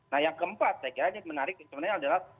nah yang keempat saya kira ini menarik sebenarnya adalah